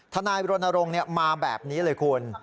ทนายรณรงค์มาแบบนี้เลยคุณ